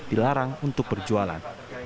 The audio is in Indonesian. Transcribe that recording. dilarang untuk berjualan